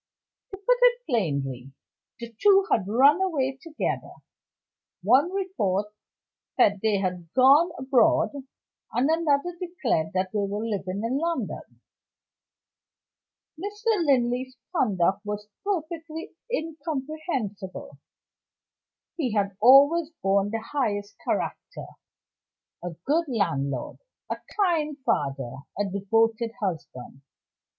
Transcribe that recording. To put it plainly, the two had run away together; one report said they had gone abroad, and another declared that they were living in London. Mr. Linley's conduct was perfectly incomprehensible. He had always borne the highest character a good landlord, a kind father, a devoted husband.